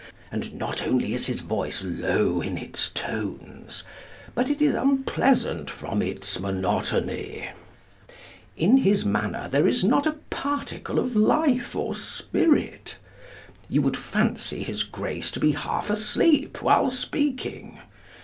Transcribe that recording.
And not only is his voice low in its tones, but it is unpleasant from its monotony. In his manner there is not a particle of life or spirit. You would fancy his grace to be half asleep while speaking.